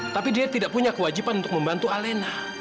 tapi dia tidak punya kewajiban untuk membantu alena